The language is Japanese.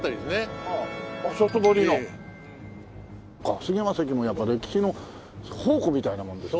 霞が関もやっぱり歴史の宝庫みたいなもんですね。